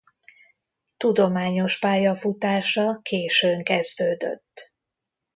Tudományos pályafutása későn kezdődött.